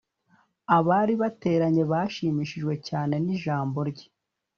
[abari bateranye bashimishijwe cyane nijambo rye.